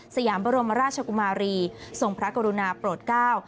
สยามบรมราชกุมารีทรงพระกรุณาโปรดเก้า